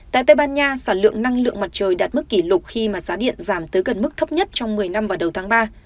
tại tây ban nha sản lượng năng lượng mặt trời đạt mức kỷ lục khi mà giá điện giảm tới gần mức thấp nhất trong một mươi năm vào đầu tháng ba